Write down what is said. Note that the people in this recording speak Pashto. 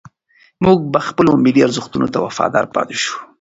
موږ به خپلو ملي ارزښتونو ته وفادار پاتې شو.